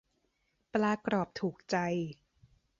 ปลากรอบถูกใจ